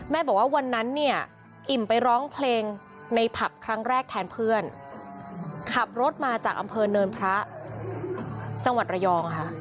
บอกว่าวันนั้นเนี่ยอิ่มไปร้องเพลงในผับครั้งแรกแทนเพื่อนขับรถมาจากอำเภอเนินพระจังหวัดระยองค่ะ